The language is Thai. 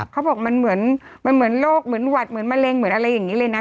เขาบอกมันเหมือนมันเหมือนโรคเหมือนหวัดเหมือนมะเร็งเหมือนอะไรอย่างนี้เลยนะ